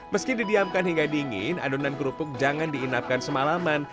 meski didiamkan hingga dingin adonan kerupuk jangan diinapkan semalaman